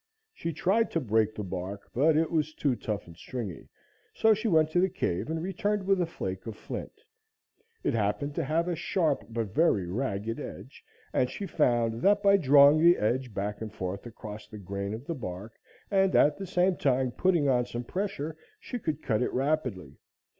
She tried to break the bark, but it was too tough and stringy, so she went to the cave and returned with a flake of flint. It happened to have a sharp but very ragged edge, and she found that by drawing the edge back and forth across the grain of the bark and at the same time putting on some pressure, she could cut it rapidly.